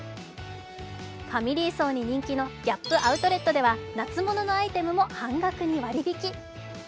ファミリー層に人気のＧａｐＯＵＴＬＥＴでは夏物のアイテムも半額に割引。